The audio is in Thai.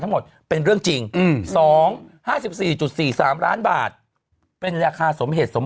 ทั้งหมดเป็นเรื่องจริงอืมสองห้าสิบสี่จุดสี่สามล้านบาทเป็นราคาสมเหตุสม